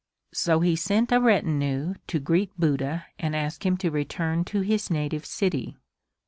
So he sent a retinue to greet Buddha and ask him to return to his native city.